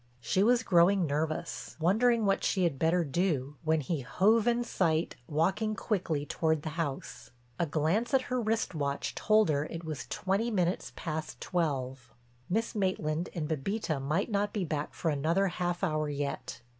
She was growing nervous, wondering what she had better do, when he hove in sight walking quickly toward the house. A glance at her wrist watch told her it was twenty minutes past twelve—Miss Maitland and Bébita might not be back for another half hour yet.